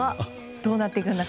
どうなっていくのか。